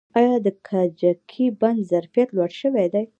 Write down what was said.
آیا د کجکي بند ظرفیت لوړ شوی دی؟